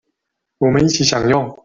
我們一起享用